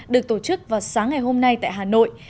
được tổ chức vào sáng ngày hôm nay tại hà nội